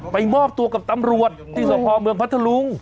มอบตัวกับตำรวจที่สพเมืองพัทธลุง